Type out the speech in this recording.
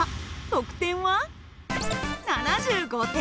得点は７５点。